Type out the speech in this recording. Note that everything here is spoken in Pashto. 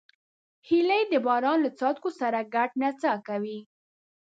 هیلۍ د باران له څاڅکو سره ګډه نڅا کوي